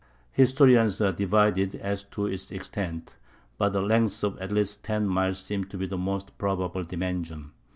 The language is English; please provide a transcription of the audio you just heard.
Historians are divided as to its extent, but a length of at least ten miles seems to be the most probable dimension.